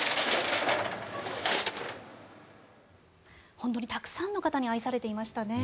本当にたくさんの方に愛されていましたね。